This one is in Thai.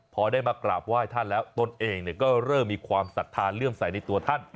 พอได้มากราบไหว้ท่านแล้วตนเองก็เริ่มมีความศรัทธาเลื่อมใสในตัวท่าน